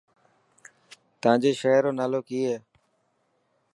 تانجي شهر رو نالو ڪي هي.